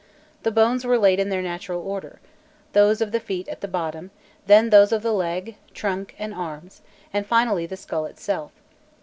The bones were laid in their natural order; those of the feet at the bottom, then those of the leg, trunk, and arms, and finally the skull itself.